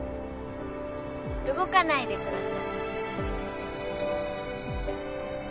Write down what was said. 動かないでください。